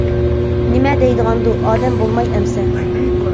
— نېمە دەيدىغاندۇ، ئادەم بولماي ئەمىسە.